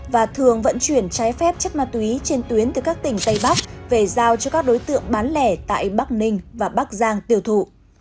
và thường vận chuyển trái phép chất ma túy trên tuyến từ các tỉnh tây bắc về giao cho các đối tượng bán lẻ tại bắc ninh và bắc giang tiêu thụ